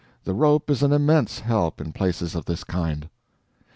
The rope is an immense help in places of this kind."